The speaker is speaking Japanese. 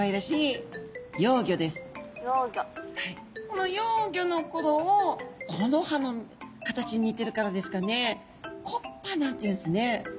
この幼魚のころを木の葉の形に似てるからですかねコッパなんていうんですね。